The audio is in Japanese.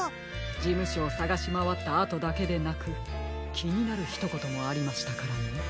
じむしょをさがしまわったあとだけでなくきになるひとこともありましたからね。